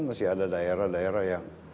masih ada daerah daerah yang